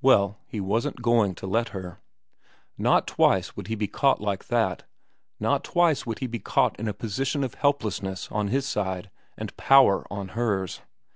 Well, he wasn't going to let her. Not twice would he be caught like that ; not twice would he be caught in a position of helplessness on his side and power on hers.